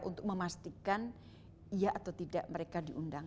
untuk memastikan iya atau tidak mereka diundang